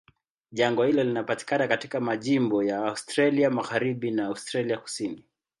Jangwa hilo linapatikana katika majimbo ya Australia Magharibi na Australia Kusini.